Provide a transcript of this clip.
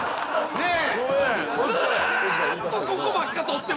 ねえ？